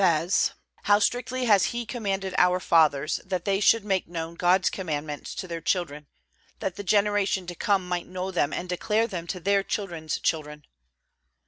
says, "How strictly has He commanded our fathers, that they should make known God's Commandments to their children, that the generation to come might know them and declare them to their children's children."